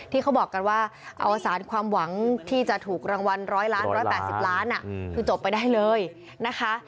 ที่เขาบอกกันว่าอวสารความหวังที่จะถูกรางวัล๑๐๐ล้าน๑๘๐ล้านคือจบไปได้เลยนะคะ